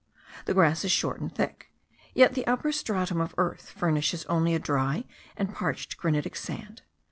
The grass is short and thick, yet the upper stratum of earth furnishes only a dry and parched granitic sand.